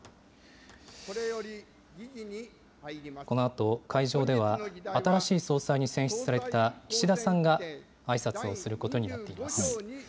このあと、会場では新しい総裁に選出された岸田さんが、あいさつをすることになっています。